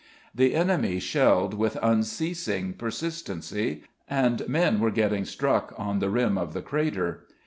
The enemy shelled with unceasing persistency, and men were getting struck on the rim of the crater.